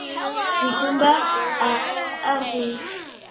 Il combat à Arronches.